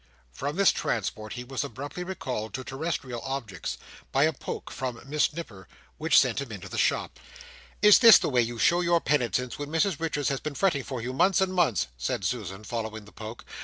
From this transport, he was abruptly recalled to terrestrial objects, by a poke from Miss Nipper, which sent him into the shop. "Is this the way you show your penitence, when Mrs Richards has been fretting for you months and months?" said Susan, following the poke.